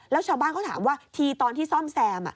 แล้วชาวบ้านเขาถามว่าทีตอนที่ซ่อมแซม